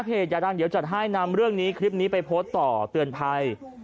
อย่าดังเดี๋ยวจัดให้นำเรื่องนี้คลิปนี้ไปโพสต์ต่อเตือนภัย